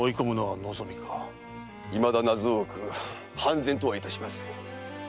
いまだ謎多く判然とはいたしません。